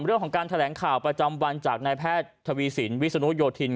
เรื่องของการแถลงข่าวประจำวันจากนายแพทย์ทวีสินวิศนุโยธิน